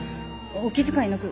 お気遣いなく。